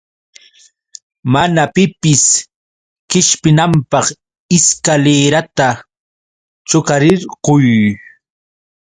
Mana pipis qishpinanpaq ishkalirata chuqarirquy.